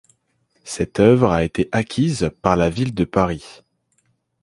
Cette œuvre a été acquise par la Ville de Paris.